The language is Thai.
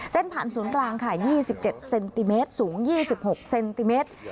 ผ่านศูนย์กลางค่ะ๒๗เซนติเมตรสูง๒๖เซนติเมตร